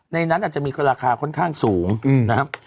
ในนั้นอาจจะมีราคาค่อนข้างสูงนะครับ